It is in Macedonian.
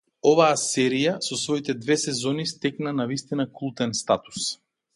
Оваа серија со своите две сезони стекна навистина култен статус.